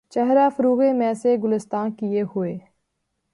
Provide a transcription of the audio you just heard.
چہرہ فروغِ مے سے گُلستاں کئے ہوئے